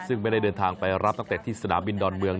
ซึ่งไม่ได้เดินทางไปรับนักเตะที่สนามบินดอนเมือง